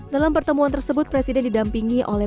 dalam pertemuan tersebut presiden didampingi oleh